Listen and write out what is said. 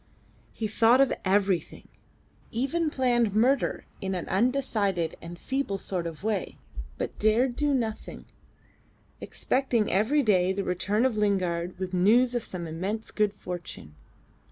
He thought of everything; even planned murder in an undecided and feeble sort of way, but dared do nothing expecting every day the return of Lingard with news of some immense good fortune.